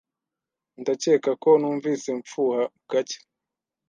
Ndakeka ko numvise mfuha gake.